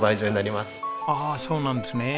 ああそうなんですね。